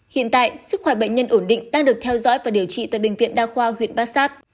hiện tại sức khỏe bệnh nhân ổn định đang được theo dõi và điều trị tại bệnh viện đa khoa huyện bát sát